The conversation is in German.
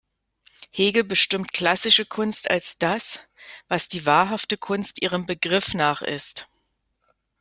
Hegel bestimmt klassische Kunst als das, „was die wahrhafte Kunst ihrem Begriff nach ist“.